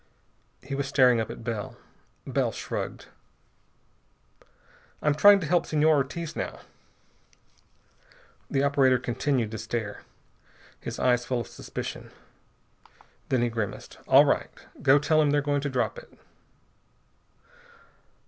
He was staring up at Bell. Bell shrugged. "I'm trying to help Senor Ortiz now." The operator continued to stare, his eyes full of suspicion. Then he grimaced. "All right. Go tell him they're going to drop it."